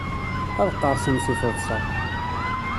Ad qqerṣen si teḍsa.